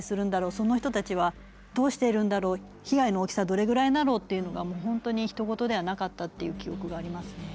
その人たちはどうしているんだろう被害の大きさどれぐらいだろうっていうのが本当にひと事ではなかったっていう記憶がありますね。